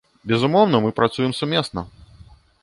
Безумоўна, мы працуем сумесна.